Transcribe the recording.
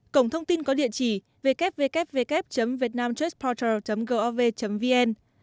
cổng thông tin có địa chỉ www vietnamtraceportal gov vn